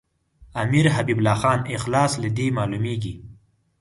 امیر حبیب الله خان اخلاص له دې معلومیږي.